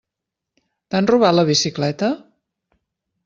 T'han robat la bicicleta?